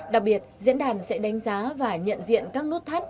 đặc biệt diễn đàn sẽ đánh giá và nhận diện các nút thắt